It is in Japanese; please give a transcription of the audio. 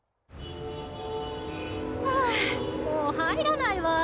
・ふうもう入らないわ。